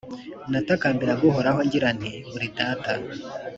Natakambiraga Uhoraho, ngira nti «Uri Data!